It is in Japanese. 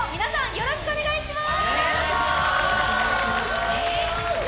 よろしくお願いします。